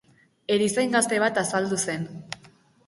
Erizain gazte bat azaldu zen.